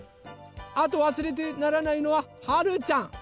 あとわすれてならないのははるちゃん！